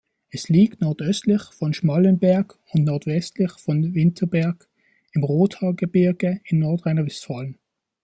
Es liegt nordöstlich von Schmallenberg und nordwestlich von Winterberg im Rothaargebirge in Nordrhein-Westfalen.